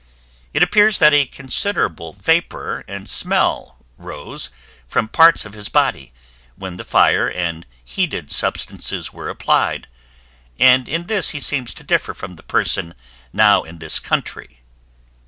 It appears that a considerable vapor and smell rose from parts of his body when the fire and heated substances were applied, and in this he seems to differ from the person now in this country."